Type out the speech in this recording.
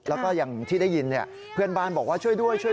แล้วก็อย่างที่ได้ยินเพื่อนบ้านบอกว่าช่วยด้วย